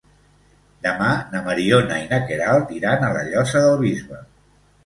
Demà na Mariona i na Queralt iran a la Llosa del Bisbe.